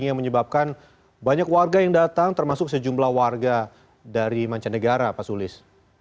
yang menyebabkan banyak warga yang datang termasuk sejumlah warga dari mancanegara pak sulis